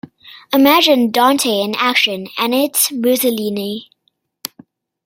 Imagine Dante in action, and it's Mussolini.